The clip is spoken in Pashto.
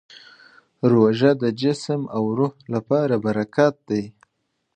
روژه د جسم او روح لپاره برکت لري.